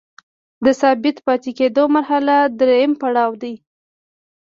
د ثابت پاتې کیدو مرحله دریم پړاو دی.